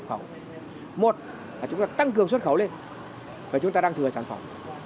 khẩu một là chúng ta tăng cường xuất khẩu lên và chúng ta đang thừa sản phẩm